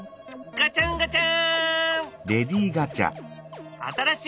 ガチャンガフン！